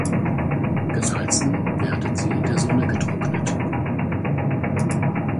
Gesalzen werden sie in der Sonne getrocknet.